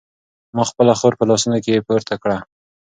ما خپله خور په لاسونو کې پورته کړه.